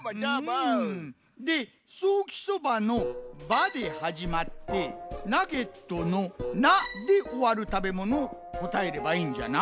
でソーキそばの「ば」ではじまってナゲットの「ナ」でおわる食べ物をこたえればいいんじゃな。